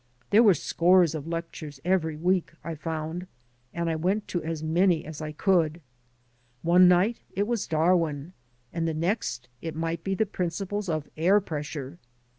There were scores of lectures every week, I foimd, and I went to as many as I could. One night it was Dar win, and the next it might be the principles of air pressure.